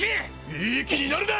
いい気になるな！